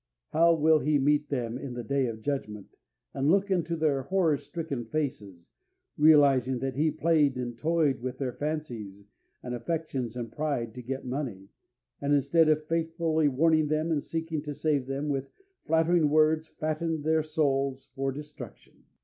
How will he meet them in the Day of Judgment, and look into their horrorstricken faces, realising that he played and toyed with their fancies and affections and pride to get money, and, instead of faithfully warning them and seeking to save them, with flattering words fattened their souls for destruction!